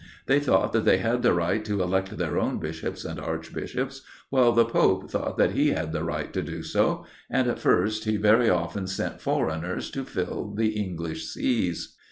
They thought that they had the right to elect their own Bishops and Archbishops, while the Pope thought that he had the right to do so, and at first he very often sent foreigners to fill the English Sees.